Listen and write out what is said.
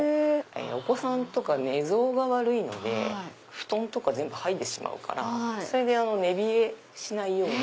お子さんとか寝相が悪いので布団とか全部はいでしまうから寝冷えしないように。